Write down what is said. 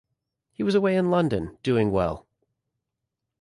He was away in London, doing well.